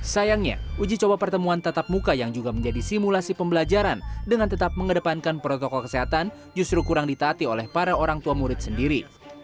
sayangnya uji coba pertemuan tatap muka yang juga menjadi simulasi pembelajaran dengan tetap mengedepankan protokol kesehatan justru kurang ditaati oleh para orang tua murid sendiri